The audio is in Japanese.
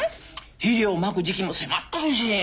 肥料まく時期も迫ってるし。